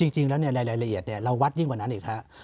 จริงแล้วรายละเอียดเราวัดยิ่งกว่านั้นอีกฮะ